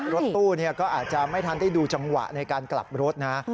รถตู้ก็อาจจะไม่ทันได้ดูจังหวะในการกลับรถนะ